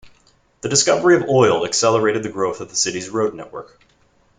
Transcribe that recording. The discovery of oil accelerated the growth of the city's road network.